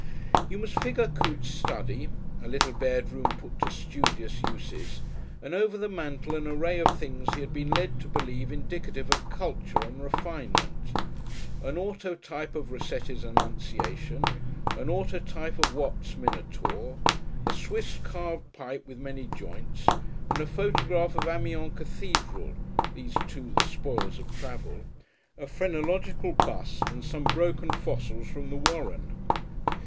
You must figure Coote's study, a little bedroom put to studious uses, and over the mantel an array of things he had been led to believe indicative of culture and refinement, an autotype of Rossetti's "Annunciation," an autotype of Watt's "Minotaur," a Swiss carved pipe with many joints and a photograph of Amiens Cathedral (these two the spoils of travel), a phrenological bust and some broken fossils from the Warren.